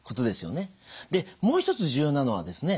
でもう一つ重要なのではですね